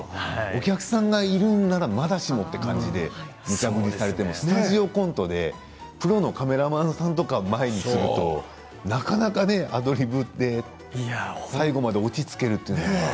お客さんがいるならまだしもむちゃ振りされてもスタジオコントでプロのカメラマンさんとか前にしてなかなかアドリブって最後までオチをつけるというのはね。